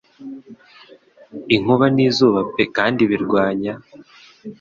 Inkuba n'izuba pe kandi birwanya